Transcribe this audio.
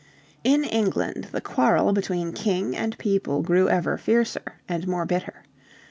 In England the quarrel between King and people grew ever fiercer and more bitter.